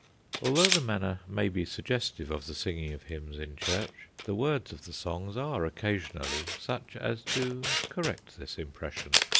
Although the manner may be suggestive of the singing of hymns in church, the words of the songs are occasionally such as to correct this impression.